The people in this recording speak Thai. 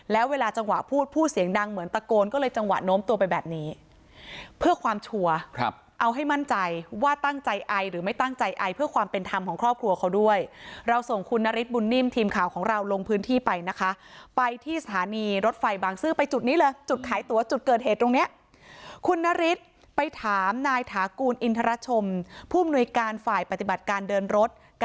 แล้วเวลาจังหวะพูดผู้เสียงดังเหมือนตะโกนก็เลยจังหวะโน้มตัวไปแบบนี้เพื่อความชัวร์ครับเอาให้มั่นใจว่าตั้งใจไอหรือไม่ตั้งใจไอเพื่อความเป็นธรรมของครอบครัวเขาด้วยเราส่งคุณนฤทธิ์บุญนิ่มทีมข่าวของเราลงพื้นที่ไปนะคะไปที่สถานีรถไฟบางซื่อไปจุดนี้เลยจุดขายตัวจุดเกิดเหตุตรงเนี้ยค